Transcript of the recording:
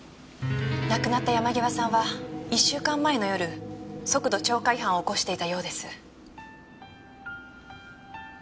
亡くなった山際さんは１週間前の夜速度超過違反を起こしていたようです。